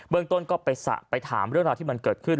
เมืองต้นก็ไปถามเรื่องราวที่มันเกิดขึ้น